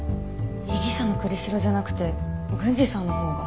被疑者の栗城じゃなくて郡司さんのほうが？